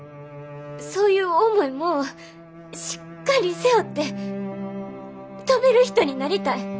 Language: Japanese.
そういう重いもんをしっかり背負って飛べる人になりたい。